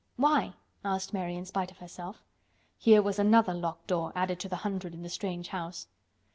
"Why?" asked Mary in spite of herself. Here was another locked door added to the hundred in the strange house.